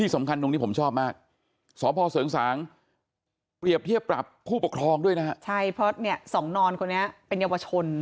ส่องนอนคนนี้เป็นเยาวชน